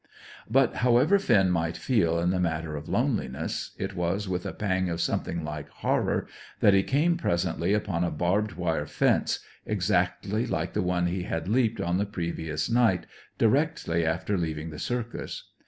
But, however Finn might feel in the matter of loneliness, it was with a pang of something like horror that he came presently upon a barbed wire fence, exactly like the one he had leaped on the previous night, directly after leaving the circus.